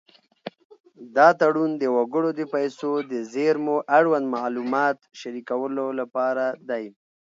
دا تړون د وګړو د پیسو د زېرمو اړوند معلومات شریکولو لپاره دی.